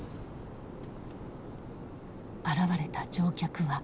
現れた乗客は４人。